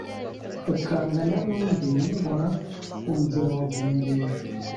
ukangana n’undi muhora-ku-nzira wa bungeri